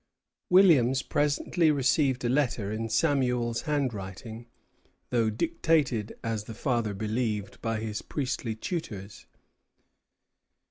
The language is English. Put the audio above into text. Williams presently received a letter in Samuel's handwriting, though dictated, as the father believed, by his priestly tutors.